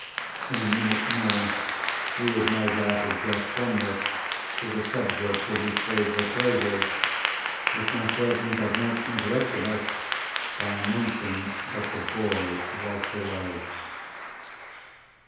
In a minute more, he would no doubt have got from this, to the subject of his favourite roses, if my servant had not interrupted us by announcing that the boy was below.